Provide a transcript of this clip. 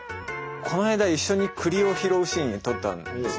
この間一緒に栗を拾うシーン撮ったんですよ。